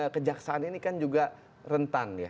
kejaksaan ini kan juga rentan ya